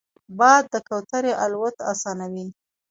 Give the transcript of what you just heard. باد د کوترې الوت اسانوي